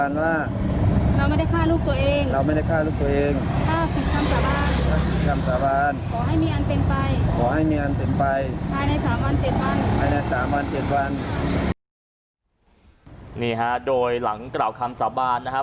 นี่ฮะโดยหลังกล่าวคำสาบานนะครับ